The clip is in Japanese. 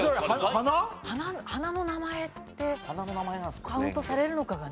花花の名前ってカウントされるのかがね。